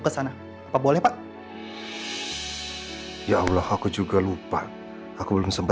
pernah gak apa apa